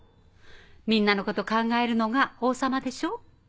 みんなのこと考えるのが王様でしょ。